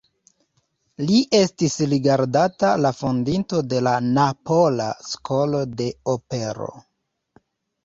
Li estas rigardata la fondinto de la napola skolo de opero.